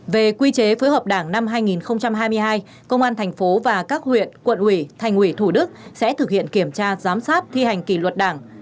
về quy chế phối hợp đảng năm hai nghìn hai mươi hai công an thành phố và các huyện quận ủy thành ủy thủ đức sẽ thực hiện kiểm tra giám sát thi hành kỷ luật đảng